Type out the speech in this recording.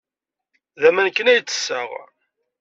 D aman kan ay ttesseɣ.